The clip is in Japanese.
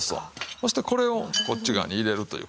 そしてこれをこっち側に入れるという事です。